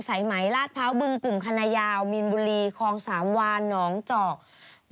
ใส่ไหมลาดพร้าวบึงคุยคณะยาวโมีนบุรีคองสามวานนองเจาะ